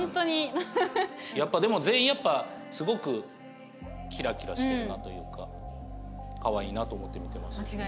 やっぱでも全員やっぱすごくキラキラしているなというかかわいいなと思って見てましたけどね。